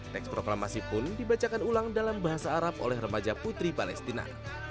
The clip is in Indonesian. teks proklamasi pun dibacakan ulang dalam bahasa arab oleh remaja putri palestina